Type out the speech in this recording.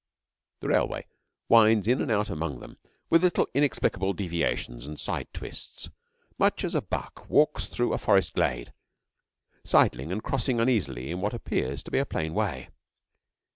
The railway winds in and out among them with little inexplicable deviations and side twists, much as a buck walks through a forest glade, sidling and crossing uneasily in what appears to be a plain way.